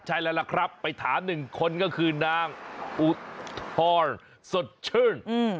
ใช่แล้วล่ะครับไปถามหนึ่งคนก็คือนางอุทรสดชื่น